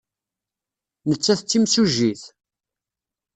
Nettat d timsujjit?